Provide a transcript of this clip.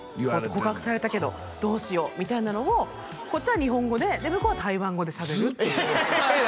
「告白されたけどどうしよう？」みたいなのをこっちは日本語でで向こうは台湾語でしゃべるええ！